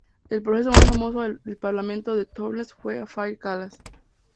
El proceso más famoso del parlamento de Toulouse fue el affaire Calas.